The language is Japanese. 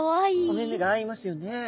お目々が合いますよね。